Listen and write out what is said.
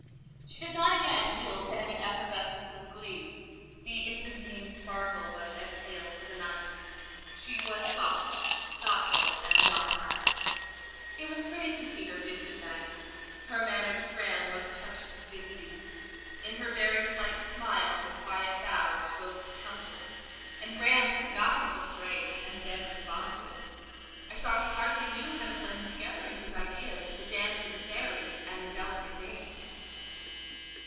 She did not again yield to any effervescence of glee; the infantine sparkle was exhaled for the night: she was soft, thoughtful, and docile. It was pretty to see her bid good night; her manner to Graham was touched with dignity: in her very slight smile and quiet bow spoke the Countess, and Graham could not but look grave, and bend responsive. I saw he hardly knew how to blend together in his ideas the dancing fairy and delicate dame.